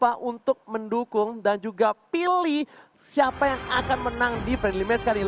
siapa untuk mendukung dan juga pilih siapa yang akan menang di friendly match kali ini